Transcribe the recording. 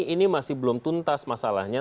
ini masih belum tuntas masalahnya